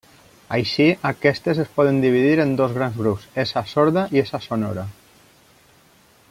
Així, aquestes es poden dividir en dos grans grups: essa sorda i essa sonora.